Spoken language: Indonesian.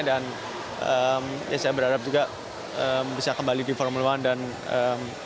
dan saya berharap juga bisa kembali di formula one